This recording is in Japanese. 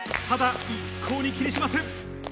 ただ一向に気にしません。